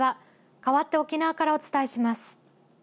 かわって沖縄からお伝えします。